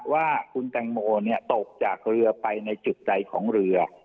ว่าคุณแตงโมตกจากเรือไปในจุดใดของเรือ